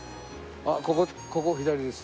あっここここを左です。